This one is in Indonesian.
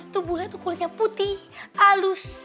tuh kulitnya putih alus